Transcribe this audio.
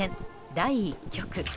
第１局。